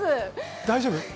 大丈夫？